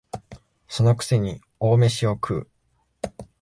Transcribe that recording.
その癖に大飯を食う